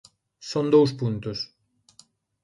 Son dous puntos.